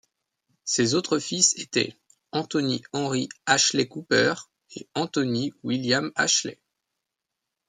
Ses autres fils étaient Anthony Henry Ashley-Cooper et Anthony William Ashley.